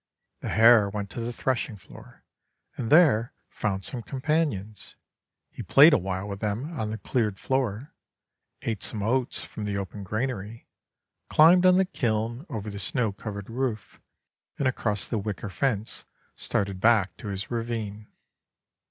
The hare went to the threshing floor, and there found some companions. He played awhile with them on the cleared floor, ate some oats from the open gi anary, climbed on the kiln over the snow covered roof, and across the wicker fence started back to his ravine.